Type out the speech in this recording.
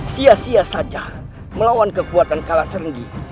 sia sia saja melawan kekuatan kalas renggi